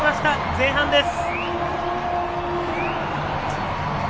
前半です。